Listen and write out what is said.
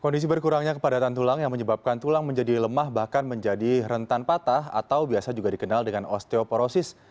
kondisi berkurangnya kepadatan tulang yang menyebabkan tulang menjadi lemah bahkan menjadi rentan patah atau biasa juga dikenal dengan osteoporosis